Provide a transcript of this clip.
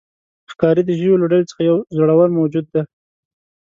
ښکاري د ژویو له ډلې څخه یو زړور موجود دی.